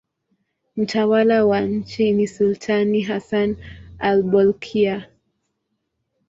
Mtawala wa nchi ni sultani Hassan al-Bolkiah.